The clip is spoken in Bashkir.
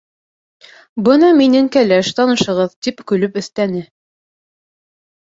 Бына минең кәләш, танышығыҙ, - тип көлөп өҫтәне.